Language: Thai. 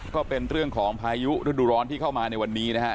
ก็เป็นเรื่องของพายุฤดูร้อนที่เข้ามาในวันนี้นะฮะ